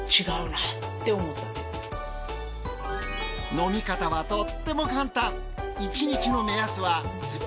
飲み方はとっても簡単。